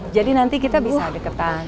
jadi nanti kita bisa deketan